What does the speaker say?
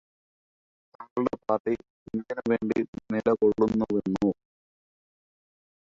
തങ്ങളുടെ പാർടി എന്തിനു വേണ്ടി നിലകൊള്ളുന്നുവെന്നോ